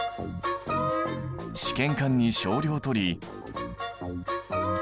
試験管に少量とり。